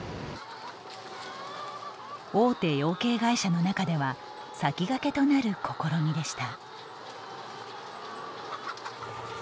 大手養鶏会社の中では先駆けとなる試みでした。